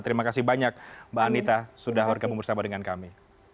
terima kasih banyak mbak anita sudah bergabung bersama dengan kami